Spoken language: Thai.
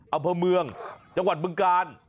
อำเภอเมืองจังหวัดบึงกาล